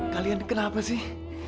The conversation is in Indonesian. kalian kenapa sih